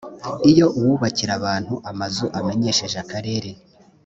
iyo uwubakira abantu amazu amenyesheje akarere